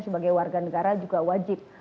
sebagai warga negara juga wajib